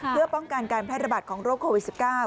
เพื่อป้องกันการแพร่ระบาดของโรคโควิด๑๙